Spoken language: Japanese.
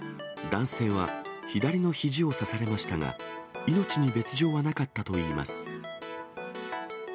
男性は、左のひじを刺されましたが、命に別状はなかったといいます。